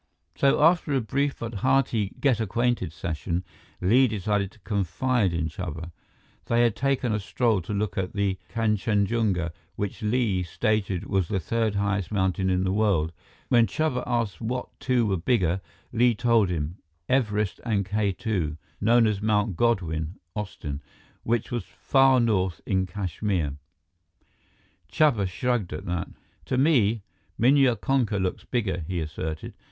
So after a brief but hearty get acquainted session, Li decided to confide in Chuba. They had taken a stroll to look at Kanchenjunga, which Li stated was the third highest mountain in the world. When Chuba asked what two were bigger, Li told him: Everest and K 2 known as Mt. Godwin Austen which was far north in Kashmir. Chuba shrugged at that. "To me, Minya Konka looks bigger," he asserted.